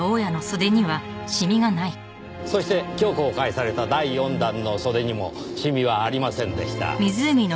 そして今日公開された第４弾の袖にもシミはありませんでした。